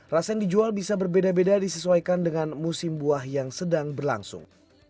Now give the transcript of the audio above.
rasa yang dijual bisa berbeda beda disesuaikan dengan musim buah yang sedang berlangsung